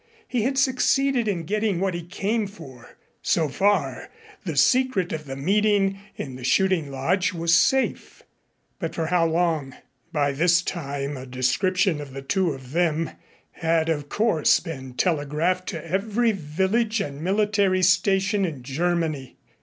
He had succeeded in getting what he came for. So far, the secret of the meeting in the shooting lodge was safe. But for how long? By this time a description of the two of them had, of course, been telegraphed to every village and military station in Germany.